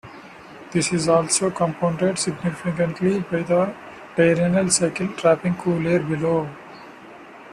This is also compounded significantly by the diurnal cycle, trapping cool air below.